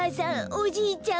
おじいちゃん